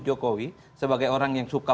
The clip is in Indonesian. jokowi sebagai orang yang suka